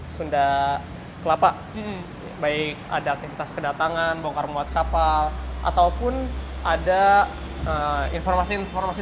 sunda kelapa baik ada aktivitas kedatangan bongkar muat kapal ataupun ada informasi informasi